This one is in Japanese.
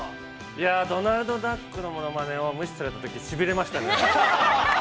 ◆いや、ドナルドダックのモノマネを無視されたとき、しびれましたね。